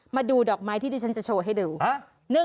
มาดูดอกไม้ที่ที่ฉันจะโชว์ให้ดู